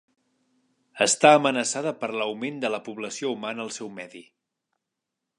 Està amenaçada per l'augment de la població humana al seu medi.